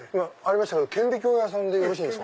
顕微鏡屋さんでよろしいですか？